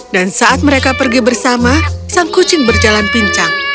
dan saat mereka pergi bersama sang kucing berjalan pincang